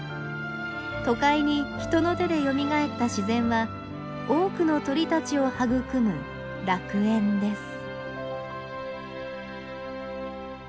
都会に人の手でよみがえった自然は多くの鳥たちを育む楽園です。